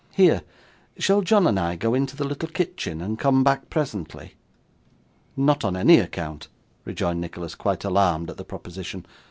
Here! Shall John and I go into the little kitchen, and come back presently?' 'Not on any account,' rejoined Nicholas, quite alarmed at the proposition.